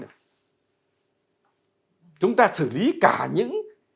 chúng ta xử lý cả những